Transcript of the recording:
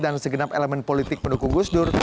dan segenap elemen politik pendukung gusdur